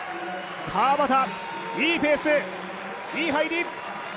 川端、いいペース、いい入り。